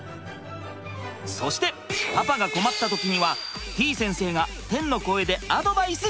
そしてパパが困った時にはてぃ先生が天の声でアドバイスします！